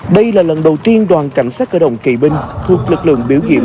đây là lần đầu tiên đoàn cảnh sát cơ động kỳ binh thuộc lực lượng biểu diễn